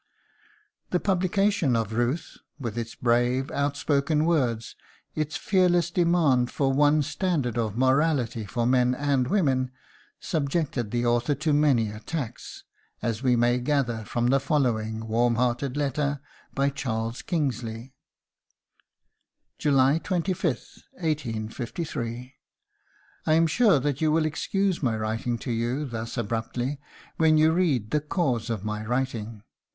The publication of "Ruth," with its brave, outspoken words, its fearless demand for one standard of morality for men and women, subjected the author to many attacks, as we may gather from the following warm hearted letter by Charles Kingsley: "July 25, 1853. "I am sure that you will excuse my writing to you thus abruptly when you read the cause of my writing.